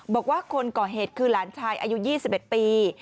บอกว่าคนก่อเหตุคือหลานชายอายุ๒๑ปี